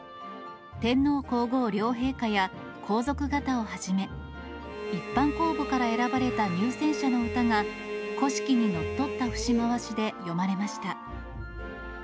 天皇皇后両陛下や皇族方をはじめ、一般公募から選ばれた入選者の歌が、古式にのっとった節回しで詠まれました。